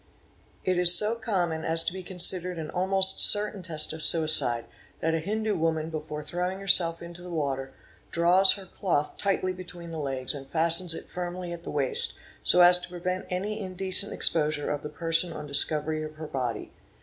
>_ It is so common as to be considered an almost certain test of suicide, t nat a Hindu woman before throwing herself into the water, draws her ea 646 BODILY INJURIES cloth tightly between the legs and fastens it firmly at the waist, so as to prevent any indecent exposure of the person on discovery of her body.